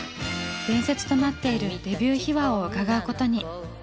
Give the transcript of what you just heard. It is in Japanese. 伝説となっているデビュー秘話を伺うことに。